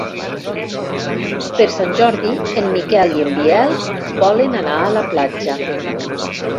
Per Sant Jordi en Miquel i en Biel volen anar a la platja.